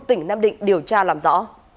tỉnh nam định điều tra làm rõ